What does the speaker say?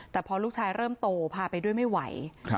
แต่พอลูกชายเริ่มโตพาไปด้วยไม่ไหว